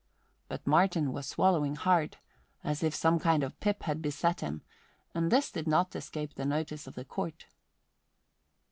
But Martin was swallowing hard, as if some kind of pip had beset him, and this did not escape the notice of the Court.